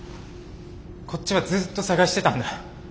こっちはずっと捜してたんだ。